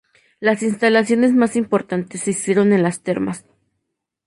Las instalaciones más importantes se hicieron en las termas.